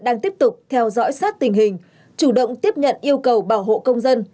đang tiếp tục theo dõi sát tình hình chủ động tiếp nhận yêu cầu bảo hộ công dân